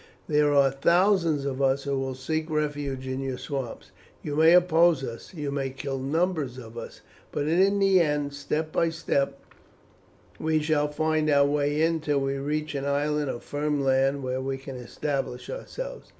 There are thousands of us who will seek refuge in your swamps. You may oppose us, you may kill numbers of us, but in the end, step by step, we shall find our way in till we reach an island of firm land where we can establish ourselves.